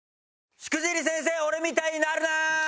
『しくじり先生俺みたいになるな！！』ー！